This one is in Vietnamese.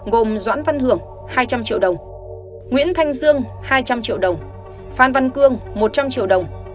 gồm doãn văn hưởng hai trăm linh triệu đồng nguyễn thanh dương hai trăm linh triệu đồng phan văn cương một trăm linh triệu đồng